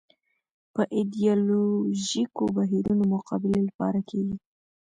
یا ایدیالوژیکو بهیرونو مقابلې لپاره کېږي